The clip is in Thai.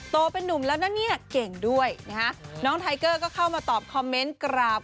โตเป็นนุ่มแล้วนะเนี่ยเก่งด้วยนะฮะน้องไทเกอร์ก็เข้ามาตอบคอมเมนต์กราบ